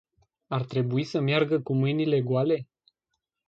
Ar trebui să meargă cu mâinile goale?